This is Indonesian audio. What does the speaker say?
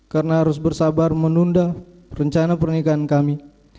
karena harus bersabar menunda rencana pernikahan kami